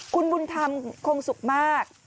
คุณบุญธรรมคงสุขมาก